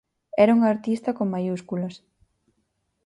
Era un artista con maiúsculas.